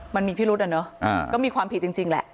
มันมีพิรุษอ่ะเนอะก็มีความผิดจริงแหละ